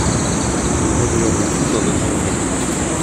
Nous réglerons tout dans notre réduit.